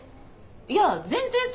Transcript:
いや全然そ